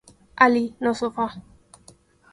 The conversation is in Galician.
Alí, no sofá.